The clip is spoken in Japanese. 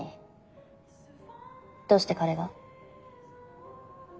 どうして彼が？